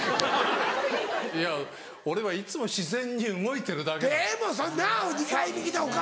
いや俺はいつも自然に動いてるだけなの。